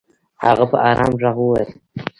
هغه په ارام ږغ وويل.